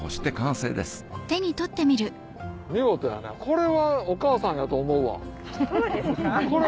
これお母さんやと思うわ。